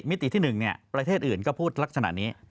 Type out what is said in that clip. มิติที่๑ประเทศอื่นก็พูดลักษณะนี้